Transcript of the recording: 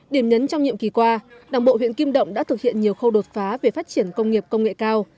điểm nhấn trong nhiệm kỳ qua đảng bộ huyện kim động đã thực hiện nhiều khâu đột phá về phát triển công nghiệp công nghệ cao